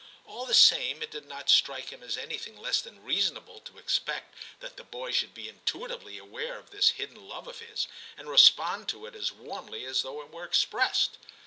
All the same, it did not strike him as any thing less than reasonable to expect that the boy should be intuitively aware of this hidden love of his, and respond to it as warmly as though it were expressed.